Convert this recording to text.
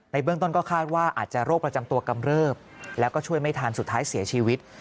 เบื้องต้นก็คาดว่าอาจจะโรคประจำตัวกำเริบแล้วก็ช่วยไม่ทันสุดท้ายเสียชีวิต